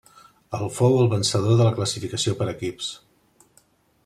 El fou el vencedor de la classificació per equips.